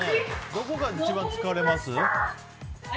どこが一番疲れます？